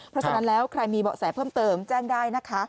เพราะฉะนั้นแล้วใครมีเบาะแสเพิ่มเติมแจ้งได้นะคะ